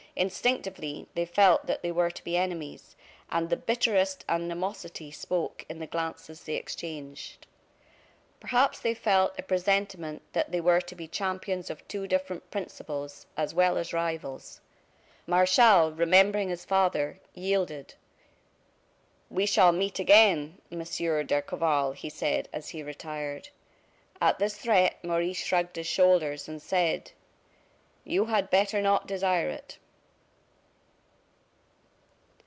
Instinctively, they felt that they were to be enemies; and the bitterest animosity spoke in the glances they exchanged. Perhaps they felt a presentiment that they were to be champions of two different principles, as well as rivals. Martial, remembering his father, yielded. "We shall meet again, Monsieur d'Escorval," he said, as he retired. At this threat, Maurice shrugged his shoulders, and said: "You had better not desire it."